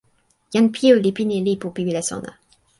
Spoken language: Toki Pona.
jan Piju li pini e lipu pi wile sona.